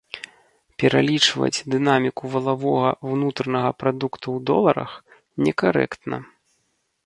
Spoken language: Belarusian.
Пералічваць дынаміку валавога ўнутранага прадукту ў доларах некарэктна.